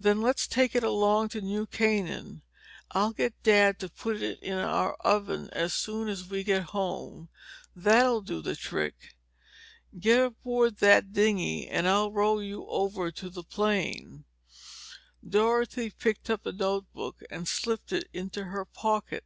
"Then let's take it along to New Canaan. I'll get Dad to put it in our oven as soon as we get home. That'll do the trick. Get aboard that dinghy and I'll row you over to the plane." Dorothy picked up the notebook and slipped it into her pocket.